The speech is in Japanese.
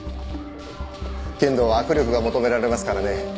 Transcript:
剣道は握力が求められますからね。